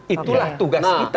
itulah tugas kita